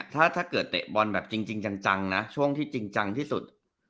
ถ้าเกิดเตะบอลแบบจริงจังนะช่วงที่จริงจังที่สุด